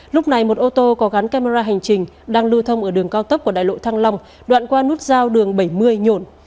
lúc này một ô tô có gắn camera hành trình đang lưu thông ở đường cao tốc của đại lộ thăng long đoạn qua nút giao đường bảy mươi nhộn